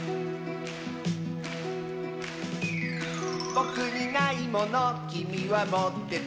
「ぼくにないものきみはもってて」